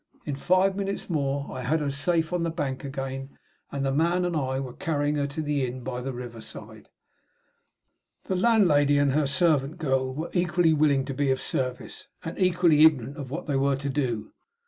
In five minutes more I had her safe on the bank again; and the man and I were carrying her to the inn by the river side. The landlady and her servant girl were equally willing to be of service, and equally ignorant of what they were to do.